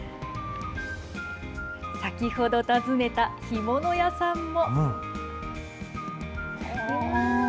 先ほど訪ねた干物屋さんも。